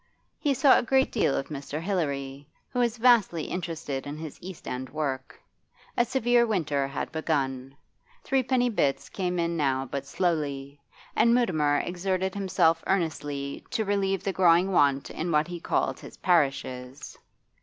He saw a great deal of Mr. Hilary, who was vastly interested in his East End work. A severe winter had begun. Threepenny bits came in now but slowly, and Mutimer exerted himself earnestly to relieve the growing want in what he called his 'parishes.